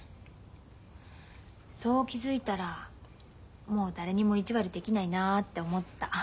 そう気付いたらもう誰にも意地悪できないなって思った。